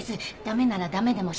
駄目なら駄目でも。